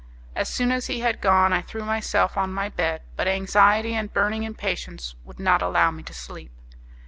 As soon as he had gone I threw myself on my bed, but anxiety and burning impatience would not allow me to sleep.